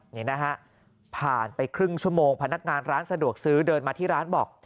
นี่นะฮะผ่านไปครึ่งชั่วโมงพนักงานร้านสะดวกซื้อเดินมาที่ร้านบอก